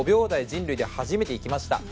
人類で初めていきました。